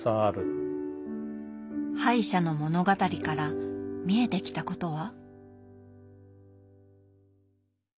敗者の物語から見えてきたことは？